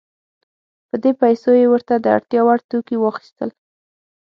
په دې پیسو یې ورته د اړتیا وړ توکي واخیستل.